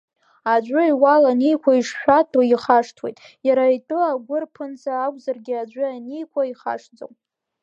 Аӡәы иуал аниқәу ишшәатәу ихашҭуеит, иара итәы агәыр ԥынҵа акәзаргьы аӡәы ианиқәу ихашҭӡом.